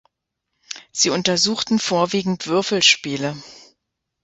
Sie untersuchten vorwiegend Würfelspiele.